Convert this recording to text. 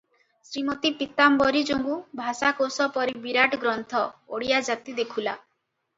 ଶ୍ରୀମତୀ ପୀତାମ୍ବରୀ ଯୋଗୁଁ ଭାଷାକୋଷ ପରି ବିରାଟ ଗ୍ରନ୍ଥ ଓଡ଼ିଆ ଜାତି ଦେଖୂଲା ।